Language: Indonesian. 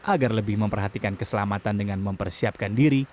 agar lebih memperhatikan keselamatan dengan mempersiapkan diri